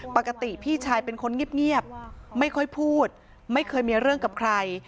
ปกติพี่ชายเป็นคนเงียบไม่ค่อยพูดไม่เคยมีเรื่องกับใคร